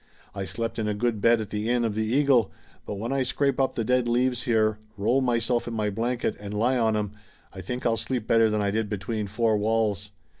I slept in a good bed at the Inn of the Eagle, but when I scrape up the dead leaves here, roll myself in my blanket and lie on 'em I think I'll sleep better than I did between four walls.